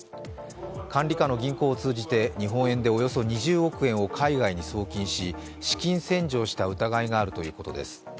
管理下の銀行を通じて日本円でおよそ２０億円を海外に送金し資金洗浄した疑いがあるということです。